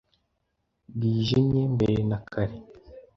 Bwijimye mbere na kare.